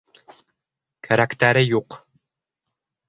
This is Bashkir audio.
Кәрәктәре юҡ!